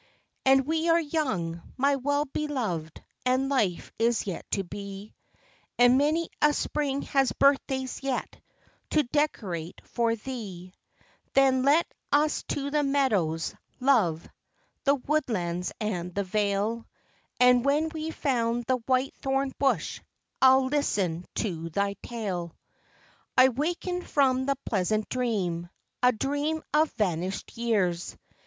And we are young, my well beloved, and life is yet to be, And many a spring has birthdays yet, to decorate for thee, Then let us to the meadows, love, the woodlands and the vale, And when we've found the " white thorn bush " I 'll listen to thy tale. # I wakened from the pleasant dream — a dream of vanished years!